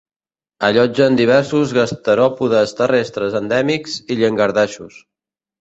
Allotgen diversos gasteròpodes terrestres endèmics i llangardaixos.